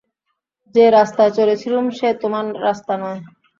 যে রাস্তায় চলেছিলুম, সে তোমার রাস্তা নয়।